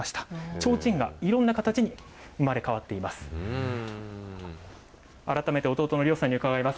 提灯がいろんな形に生まれ変わっています。